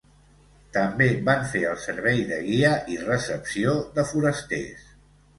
També van fer el servei de guia i recepció de forasters.